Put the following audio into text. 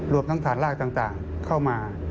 รวมทั้งฐานรากต่างเข้ามา